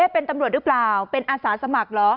เป็นตำรวจหรือเปล่าเป็นอาสาสมัครเหรอ